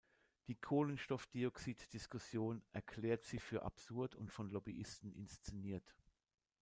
Die „Kohlenstoffdioxid-Diskussion“ erklärt sie für absurd und von Lobbyisten inszeniert.